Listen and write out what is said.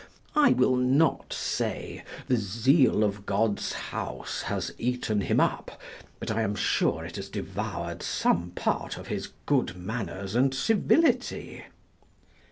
I will not say: "The zeal of God's house has eaten him up;" but I am sure it has devoured some part of his good manners and civility.